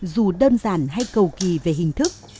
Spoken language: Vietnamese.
dù đơn giản hay cầu kỳ về hình thức